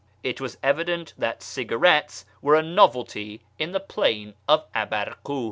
It was evident that cigarettes were a novelty in the plain of Abarki'ih.